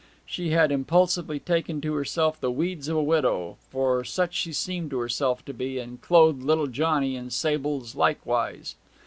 She had impulsively taken to herself the weeds of a widow, for such she seemed to herself to be, and clothed little Johnny in sables likewise.